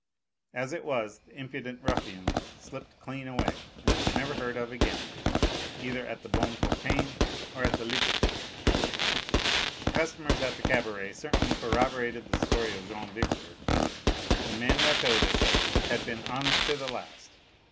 As it was, the impudent ruffian slipped clean away, and was never heard of again either at the "Bon Copain" or at the "Liberte." The customers at the cabaret certainly corroborated the story of Jean Victor. The man Rateau, they said, had been honest to the last.